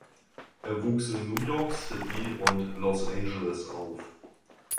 Er wuchs in New York City und Los Angeles auf.